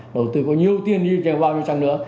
đầu tư có nhiều tiền đi vào nhiều trang nữa